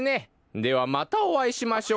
ではまたおあいしましょう。